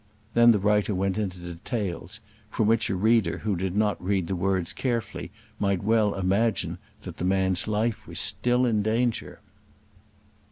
Then the writer went into details, from which a reader who did not read the words carefully might well imagine that the man's life was still in danger.